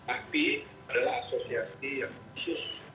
akti adalah asosiasi yang khusus